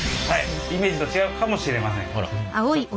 イメージと違うかもしれません。